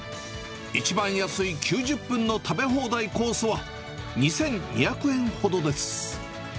一番安い９０分の食べ放題コースは、２２００円ほどです。